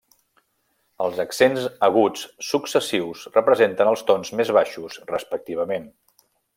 Els accents aguts successius representen els tons més baixos respectivament.